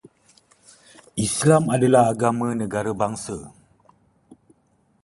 Islam adalah agama negara bangsa